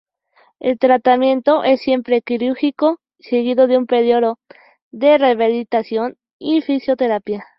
El tratamiento es siempre quirúrgico seguido de un periodo de rehabilitación y fisioterapia.